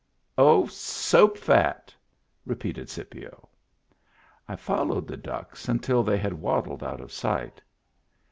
" Oh, soap fat !" repeated Scipio. I followed the ducks until they had waddled out of sight.